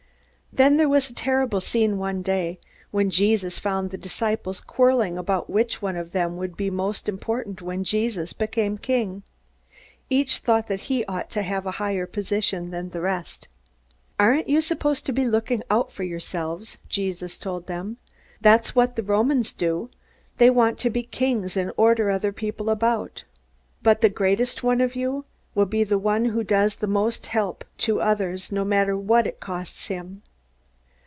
Then there was a terrible scene one day, when Jesus found the disciples quarreling about which of them would be the most important when Jesus became king. Each thought that he ought to have a higher position than the rest. "You aren't supposed to be looking out for yourselves," Jesus told them. "That's what the Romans do. They want to be kings, and order other people about. But the greatest one of you will be the one who does the most to help others, no matter what it costs him.